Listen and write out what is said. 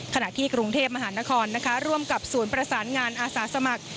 ขณะที่กรุงเทพมหานครร่วมกับศูนย์ประสานงานอาสาสมัคร